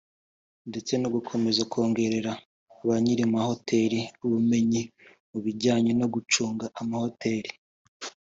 ndetse no gukomeza kongerera ba nyiri amahoteli ubumenyi mu bijyanye no gucunga amahoteli